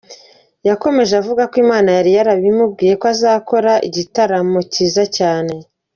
Yakomeje avuga ko Imana yari yarabimubwiye ko azakora igitaramo cyiza cyane.